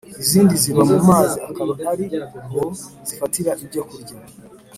izindi ziba mu mazi akaba ari ho zifatira ibyo kurya